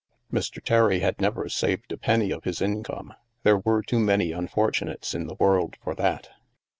Mr. Terry had never saved a penny of his in come; there were too many unfortunates in the world for that.